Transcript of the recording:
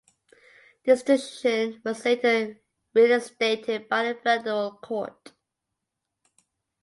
This decision was later reinstated by the Federal Court.